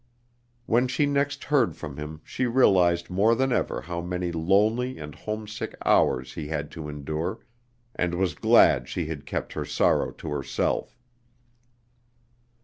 When she next heard from him she realized more than ever how many lonely and homesick hours he had to endure, and was glad she had kept her sorrow to herself.